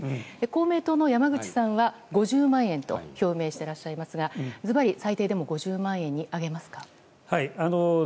公明党の山口さんは５０万円と表明していらっしゃいますがズバリ最低でも５０万円に上げますか？